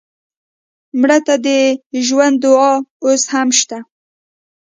مړه ته د ژوند دعا اوس هم شته